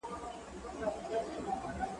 زه اوږده وخت ليک لولم وم؟!